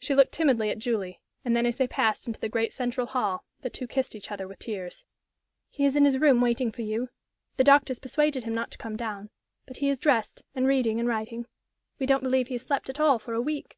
She looked timidly at Julie, and then, as they passed into the great central hall, the two kissed each other with tears. "He is in his room, waiting for you. The doctors persuaded him not to come down. But he is dressed, and reading and writing. We don't believe he has slept at all for a week."